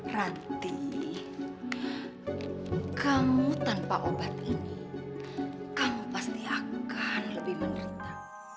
ranti kamu tanpa obat ini kamu pasti akan lebih menderita